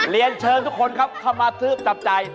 เรียนเชิญทุกคนเข้ามาซื้อจับใจ